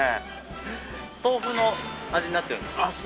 豆腐の味になっているんです。